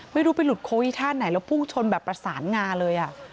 ไม่รู้ไปหลุดโคอีท่าไหนแล้วพุ่งชนแบบประสานงาเลย